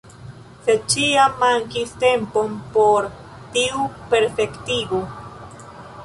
Sed ĉiam mankis tempo por tiu perfektigo.